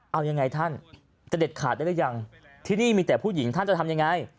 เอายังไงท่านจะเด็ดขาดได้หรือยังที่นี่มีแต่ผู้หญิงท่านจะทำยังไง